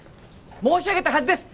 申し上げたはずです。